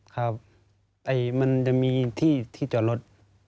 ครับมันจะมีที่จอดรถ